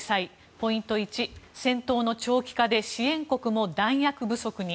ポイント１、戦闘の長期化で支援国も弾薬不足に。